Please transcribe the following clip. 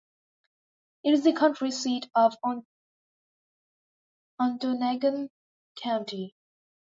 It is the county seat of Ontonagon County.